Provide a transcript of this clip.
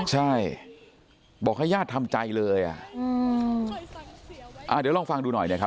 ใช่บอกให้ญาติทำใจเลยอ่ะอืมอ่าเดี๋ยวลองฟังดูหน่อยเนี่ยครับ